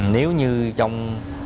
nếu như trong